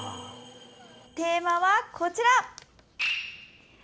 テーマは、こちら。